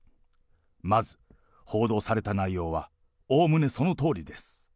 まず報道された内容は、おおむねそのとおりです。